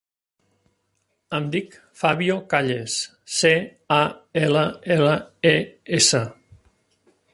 Em dic Fabio Calles: ce, a, ela, ela, e, essa.